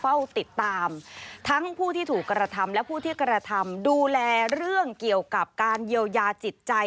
เฝ้าติดตามทั้งผู้ที่ถูกกระทำและผู้ที่กระทำดูแลเรื่องเกี่ยวกับการเยียวยาจิตใจ